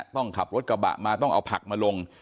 ต้องขับรถกระบะมาต้องเอาผักมาลง